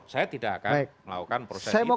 saya tidak akan melakukan proses itu baik saya mau